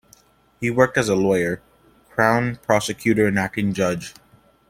He worked as a lawyer, Crown Prosecutor and acting judge.